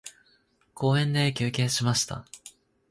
公園で休憩しました。